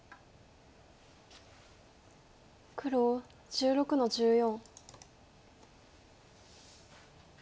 黒１６の十四。